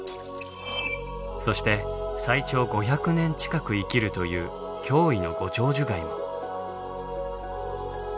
そして最長５００年近く生きるという驚異の「ご長寿貝」も。